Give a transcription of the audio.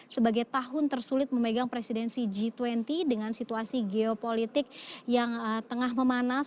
sebagai tahun tersulit memegang presidensi g dua puluh dengan situasi geopolitik yang tengah memanas